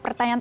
apa jin jack